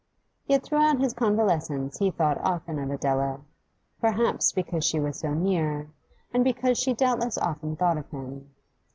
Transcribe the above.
Yet throughout his convalescence he thought often of Adela, perhaps because she was so near, and because she doubtless often thought of him.